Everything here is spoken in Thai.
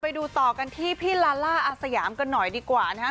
ไปดูต่อกันที่พี่ลาล่าอาสยามกันหน่อยดีกว่านะฮะ